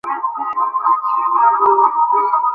সমস্যা হলে আমাকে ফোন করো।